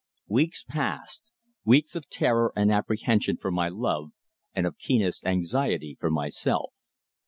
Weeks passed weeks of terror and apprehension for my love, and of keenest anxiety for myself.